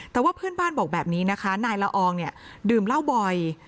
แต่ว่าเพื่อนบ้านบอกแบบนี้นะคะนายละอองเนี่ยดื่มเหล้าบ่อย